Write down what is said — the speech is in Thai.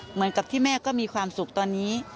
เหมือนกับที่แม่ก็มีความสุขตอนนี้